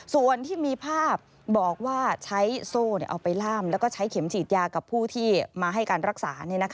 ส่วนที่มีภาพบอกว่าใช้โซ่เอาไปล่ามแล้วก็ใช้เข็มฉีดยากับผู้ที่มาให้การรักษา